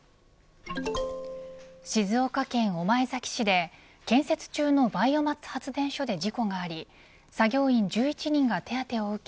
静岡県御前崎市で建設中のバイオマス発電所で事故があり作業員１１人が手当てを受け